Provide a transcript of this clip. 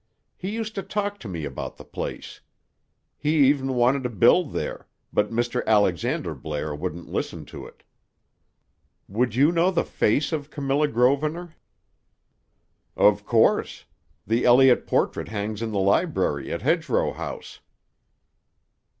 He used to talk to me about the place. He even wanted to build there; but Mr. Alexander Blair wouldn't listen to it." "Would you know the face of Camilla Grosvenor?" "Of course. The Elliott portrait hangs in the library at Hedgerow House."